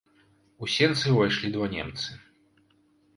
У сенцы ўвайшлі два немцы.